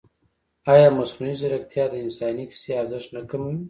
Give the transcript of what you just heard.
ایا مصنوعي ځیرکتیا د انساني کیسې ارزښت نه کموي؟